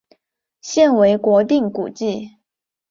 现为国定古迹。